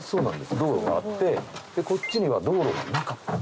道路があってこっちには道路がなかった。